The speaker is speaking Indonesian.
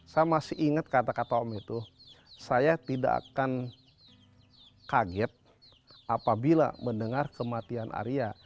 saya masih ingat kata kata om itu saya tidak akan kaget apabila mendengar kematian arya